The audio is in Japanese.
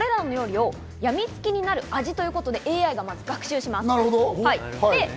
これらの料理をやみつきになる味ということでＡＩがまず学習します。